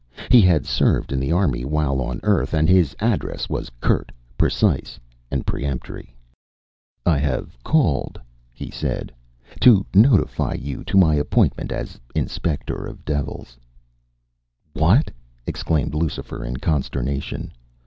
He had served in the army while on earth, and his address was curt, precise, and peremptory. “I have called,” he said, “to notify to you my appointment as Inspector of Devils.” “What!” exclaimed Lucifer, in consternation.